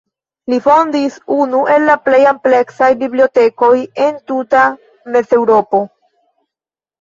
Li fondis unu el la plej ampleksaj bibliotekoj en tuta Mezeŭropo.